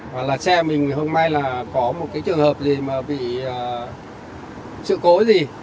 hoặc là xe mình hôm nay là có một cái trường hợp gì mà bị sự cố gì